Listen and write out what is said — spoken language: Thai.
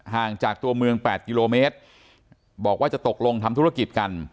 ห่างจากตัวเมือง๘กิโลเมตรบอกว่าจะตกลงทำธุรกิจกัน